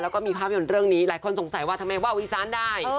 แล้วก็มีภาพยนตร์เรื่องนี้หลายคนสงสัยว่าทำไมว่าวอีสานได้